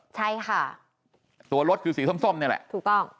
ใช่ค่ะตัวรถคือสีส้มนี่แหละถูกต้อง